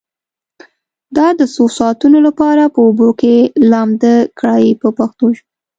دا د څو ساعتونو لپاره په اوبو کې لامده کړئ په پښتو ژبه.